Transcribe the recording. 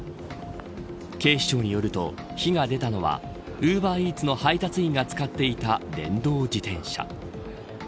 警視庁によると、火が出たのはウーバーイーツの配達員が使っていた電動自転車。